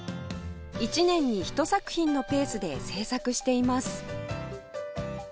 １年に１作品のペースで制作しています